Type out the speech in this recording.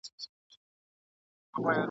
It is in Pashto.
ځي لکه هوسۍ وي تورېدلې سارانۍ ..